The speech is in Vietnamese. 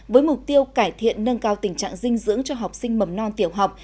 với mục tiêu cải thiện nâng cao tình trạng dinh dưỡng cho học sinh mầm non tiểu học